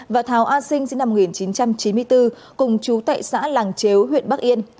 và thảo a sinh sinh năm một nghìn chín trăm chín mươi bốn cùng chú tại xã làng chếu huyện bắc yên